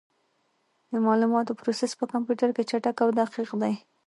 د معلوماتو پروسس په کمپیوټر کې چټک او دقیق دی.